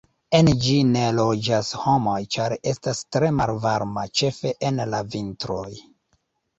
En ĝi ne loĝas homoj, ĉar estas tre malvarma, ĉefe en la vintroj.